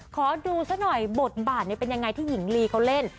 ขอดูซะหน่อยบทบาทเป็นยังไงที่หญิงลีเขาเล่น